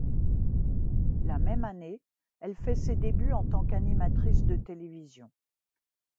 La même année, elle fait ses débuts en tant qu'animatrice de télévision.